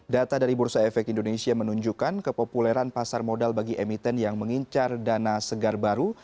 data dari bursa efek indonesia menunjukkan kepopuleran pasar modal bagi emiten yang mengincar dana segar baru